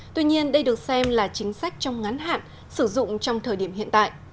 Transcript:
tuy nhiên đây được xem là chính sách trong ngắn hạn sử dụng trong thời điểm hiện tại